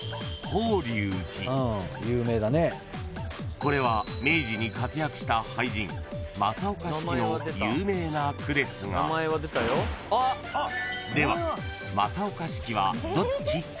［これは明治に活躍した俳人正岡子規の有名な句ですがでは］